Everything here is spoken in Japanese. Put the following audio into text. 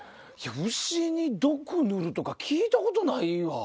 牛に毒塗るとか聞いたことないわ。